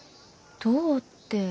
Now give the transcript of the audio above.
どうって。